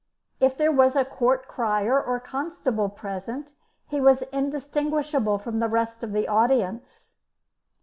If there was a court crier or constable present he was indistinguishable from the rest of the audience.